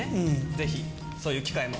ぜひ、そういう機会も。